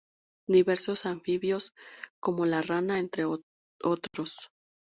Y diversos anfibios como la rana, entre otros.